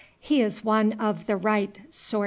"He is one of the right sort."